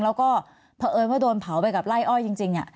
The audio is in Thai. แล้วก็เผอิญว่าโดนเผาไปกับไล่อ้อยจริง